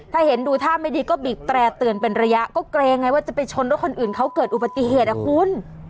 ถ้าเห็นดูท่าไม่ดีก็บีบแตร่เตือนเป็นระยะก็เกรงไงว่าจะไปชนรถคนอื่นเขาเกิดอุบัติเหตุอ่ะคุณ